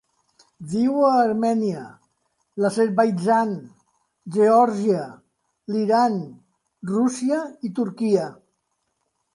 Viu a Armènia, l'Azerbaidjan, Geòrgia, l'Iran, Rússia i Turquia.